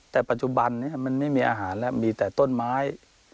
แต่ปัจจุบันนี้มันไม่มีอาหารแล้วมีแต่ต้นไม้